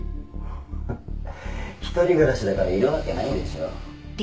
「フッ一人暮らしだからいるわけないでしょ」